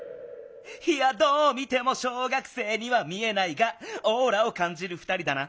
いやどう見ても小学生には見えないがオーラを感じる２人だな。